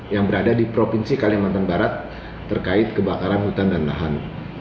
yang berada di provinsi kalimantan barat terkait kebakaran hutan dan lahan